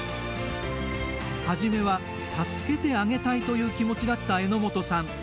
初めは、助けてあげたいという気持ちだった榎本さん。